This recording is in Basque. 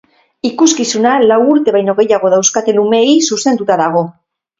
Ikuskizuna lau urte baino gehiago dauzkaten umeei zuzenduta dago.